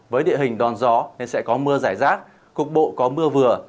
với địa hình đòn gió nên sẽ có mưa rải rát cục bộ có mưa vừa